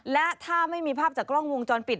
และถ้าไม่มีภาพจากกล้องวงจรปิด